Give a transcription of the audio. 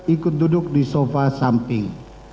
ikut duduk di sofa samping